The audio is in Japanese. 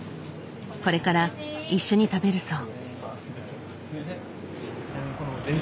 これから一緒に食べるそう。